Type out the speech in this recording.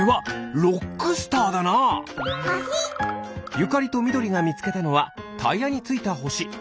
ゆかりとみどりがみつけたのはタイヤについたほし。